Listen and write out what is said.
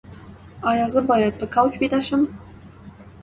ایا زه باید په کوچ ویده شم؟